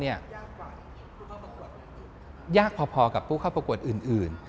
ยากพอกับผู้เข้าประกวดอื่น